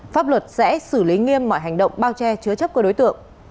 pháp luật sẽ xử lý nghiêm mọi hành động bao che chứa chấp của đối tượng